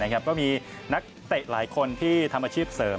ก็มีนักเตะหลายคนที่ทำอาชีพเสริม